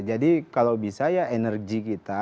jadi kalau bisa ya energi kita